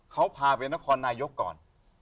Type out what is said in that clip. เขาพาไปนครนายกก่อน